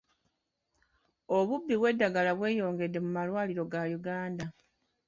Obubbi bw'eddagala bweyongedde mu malwaliro ga Uganda.